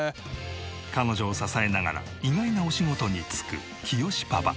彼女を支えながら意外なお仕事に就くきよしパパ。